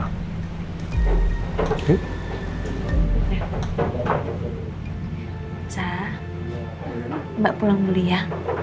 misal mbak pulang dulu ya